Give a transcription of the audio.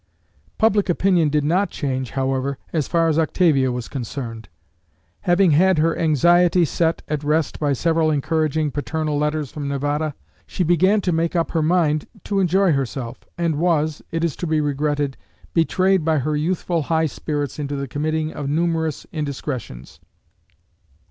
Public opinion did not change, however, as far as Octavia was concerned. Having had her anxiety set at rest by several encouraging paternal letters from Nevada, she began to make up her mind to enjoy herself, and was, it is to be regretted, betrayed by her youthful high spirits into the committing of numerous indiscretions.